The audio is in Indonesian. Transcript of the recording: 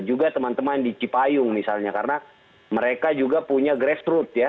juga teman teman di cipayung misalnya karena mereka juga punya grassroot ya